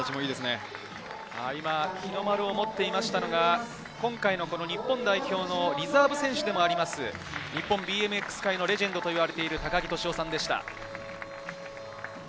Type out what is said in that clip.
日の丸を持っていましたのが今回の日本代表のリザーブ選手でもあります、日本ＢＭＸ界のレジェンドといわれている高木聖雄さんでした。